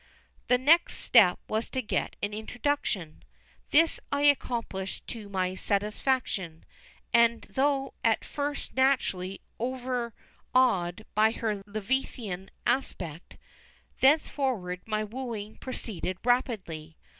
The next step was to get an introduction. This I accomplished to my satisfaction, and though at first naturally overawed by her Leviathan aspect, thenceforward my wooing proceeded rapidly.